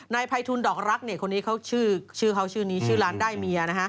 ภัยทูลดอกรักคนนี้เขาชื่อเขาชื่อนี้ชื่อร้านได้เมีย